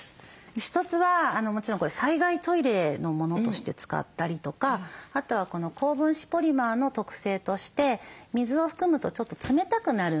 一つはもちろん災害トイレのものとして使ったりとかあとは高分子ポリマーの特性として水を含むとちょっと冷たくなるんです。